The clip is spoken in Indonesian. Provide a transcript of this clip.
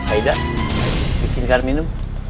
aida bikinkan minum